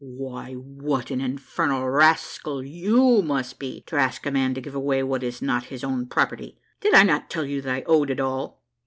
"Why, what an infernal rascal you must be, to ask a man to give away what is not his own property! Did I not tell you that I owed it all?